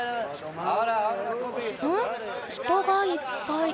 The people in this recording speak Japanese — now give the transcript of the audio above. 人がいっぱい。